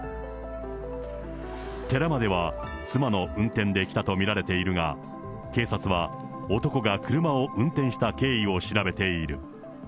寺までは妻の運転で来たと見られているが、警察は男が車を運転した経緯を調べている。